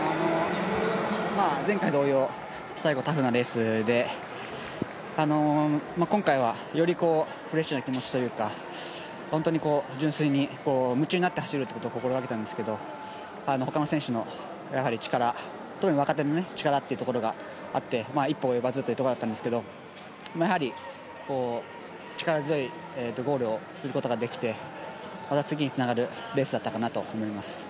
前回同様、最後タフなレースで今回は、よりフレッシュな気持ちというか、純粋に夢中になって走ることを心がけたんですけど、ほかの選手の力、特に若手の力があって一歩及ばずというところだったんですけど、力強いゴールをすることができてまた次につながるレースだったかなと思います。